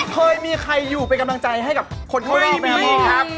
เคยมีใครอยู่เป็นกำลังใจให้กับคนข้างนอกแบบนั้นเหรอครับไม่มีครับ